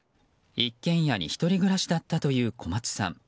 一軒家に１人暮らしだったという小松さん。